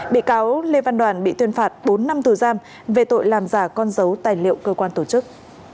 bị cáo lê văn đoàn bị tuyên phạt bốn năm tù giam về tội làm giả con dấu tài liệu cơ quan tổ chức